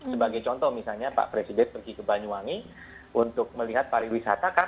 sebagai contoh misalnya pak presiden pergi ke banyuwangi untuk melihat pariwisata